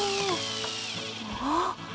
あっ。